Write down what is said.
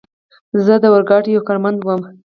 زه د اورګاډي یو کارمند ووم.